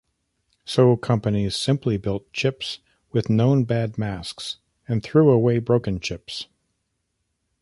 So companies simply built chips with known-bad masks, and threw away broken chips.